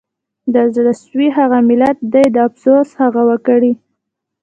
د زړه سوي هغه ملت دی د افسوس هغه وګړي